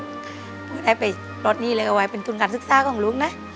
หนูได้ไปลดหนี้เลยเอาไว้เป็นทุนการศึกษาของลูกนะ